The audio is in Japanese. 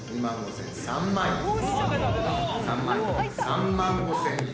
３万５，０００円。